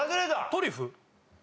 トリュフ。